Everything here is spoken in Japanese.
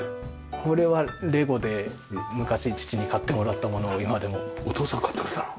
これはレゴで昔父に買ってもらったものを今でも。お父さんが買ってくれたの？